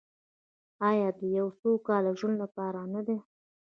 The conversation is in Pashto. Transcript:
آیا د یو سوکاله ژوند لپاره نه ده؟